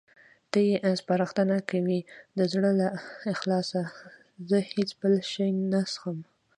ته یې سپارښتنه کوې؟ د زړه له اخلاصه، زه هېڅ بل شی نه څښم.